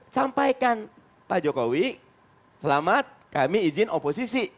sampaikan pak jokowi selamat kami izin oposisi